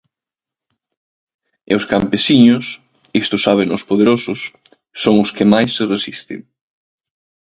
E os campesiños, isto sábeno os poderosos, son os que máis se resisten.